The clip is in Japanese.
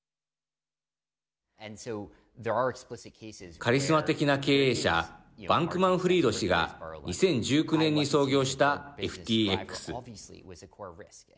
カリスマ的な経営者バンクマンフリード氏が２０１９年に創業したＦＴＸ。